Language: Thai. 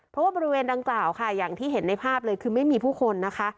เพราะว่าบริเวณดังกล่าวค่ะอย่างที่เห็นในภาพเลยคือไม่มีผู้คนนะคะ